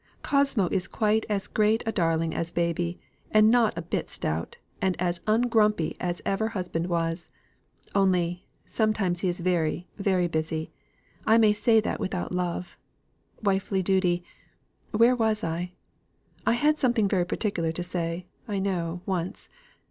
Cosmo is quite as great a darling as baby, and not a bit stout, and as ungrumpy as ever husband was; only, sometimes he is very, very busy. I may say that without love wifely duty where was I? I had something very particular to say, I know, once.